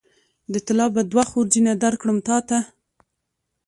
د طلا به دوه خورجینه درکړم تاته